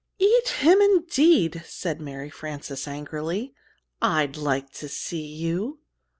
"Eat him, indeed!" said Mary Frances, angrily. "I'd like to see you!"